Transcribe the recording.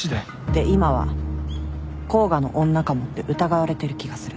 で今は甲賀の女かもって疑われてる気がする。